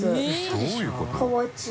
どういうこと？